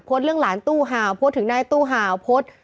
โพสต์เรื่องหลานตู้ห่าวโพสต์ถึงด้านตู้ห่าว